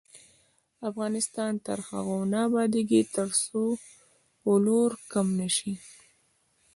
افغانستان تر هغو نه ابادیږي، ترڅو ولور کم نشي.